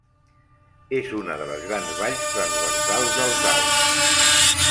És una de les grans valls transversals dels Alps.